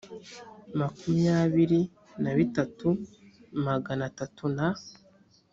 makumyabiri na bitatu na magana atatu na